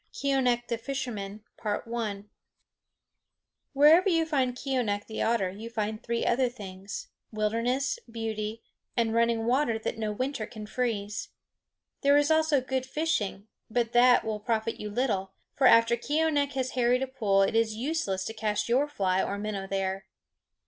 KEEONEKH THE FISHERMAN Wherever you find Keeonekh the otter you find three other things: wildness, beauty, and running water that no winter can freeze. There is also good fishing, but that will profit you little; for after Keeonekh has harried a pool it is useless to cast your fly or minnow there.